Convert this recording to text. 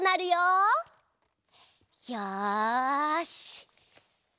よし。